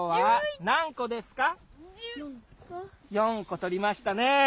４個取りましたね。